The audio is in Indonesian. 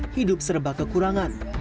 hidup serba kekurangan